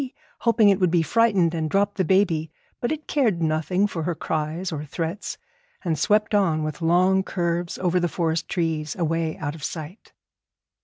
hoping it would be frightened and drop the baby. But it cared nothing for her cries or threats, and swept on with long curves over the forest trees, away out of sight.